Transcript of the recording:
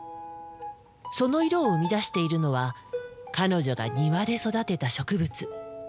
その色を生み出しているのは彼女が庭で育てた植物。